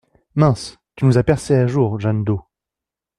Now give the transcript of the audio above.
Mince, tu nous as percé à jour Jañ-Do !